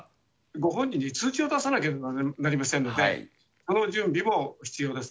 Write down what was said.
ご本人に通知を出さなければなりませんので、その準備も必要です。